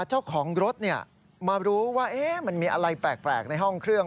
เจ้าของรถมารู้ว่ามันมีอะไรแปลกในห้องเครื่อง